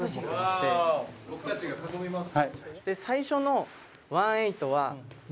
僕たちが囲みます。